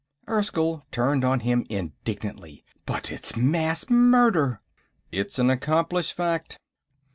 Erskyll turned on him indignantly. "But it's mass murder!" "It's an accomplished fact.